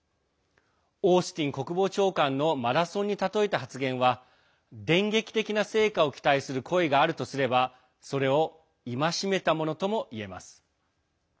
オースティン国防長官のマラソンに例えた発言は電撃的な成果を期待する声があるとすればそれを戒めたものとも言えます。